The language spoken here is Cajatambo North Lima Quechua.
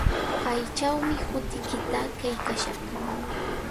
Kaychawmi hutiykita qillqashaq.